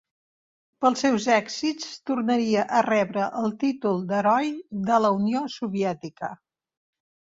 Pels seus èxits tornaria a rebre el títol d'Heroi de la Unió Soviètica.